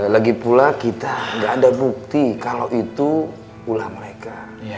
lagi pula kita nggak ada bukti kalau itu ulah mereka